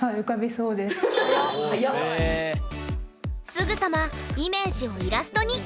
すぐさまイメージをイラストに！